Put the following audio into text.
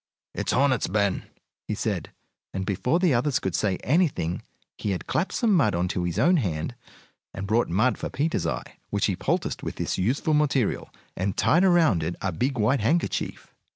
"It's hornets, Ben!" he called; and before the others could say anything he had clapped some mud on his own hand and brought mud for Peter's eye, which he poulticed with this useful material, and tied around it a big white handkerchief.